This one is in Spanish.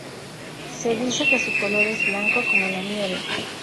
Se dice que su color es blanco como la nieve.